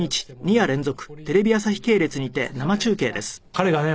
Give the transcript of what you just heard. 彼がね